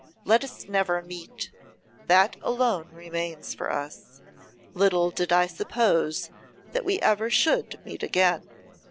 Let us never meet. That alone remains for us. Little did I suppose that we ever should have met again.